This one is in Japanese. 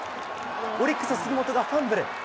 オリックス、杉本がファンブル。